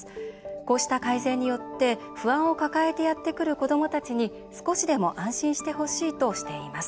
こうした改善によって不安を抱えてやってくる子どもたちに少しでも安心してほしいとしています。